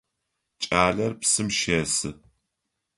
Кӏалэр псым щесы.